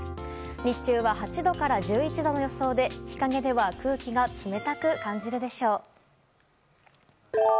日中は８度から１１度の予想で日陰では空気が冷たく感じるでしょう。